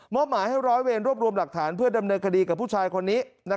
หมายให้ร้อยเวรรวบรวมหลักฐานเพื่อดำเนินคดีกับผู้ชายคนนี้